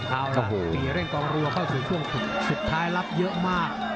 เอาล่ะปีเร่งกองรัวเข้าสู่ช่วงสุดท้ายรับเยอะมาก